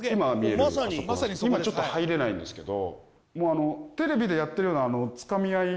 今ちょっと入れないんですけど。